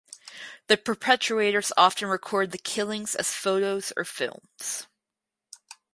The perpetrators often recorded the killings as photos or films.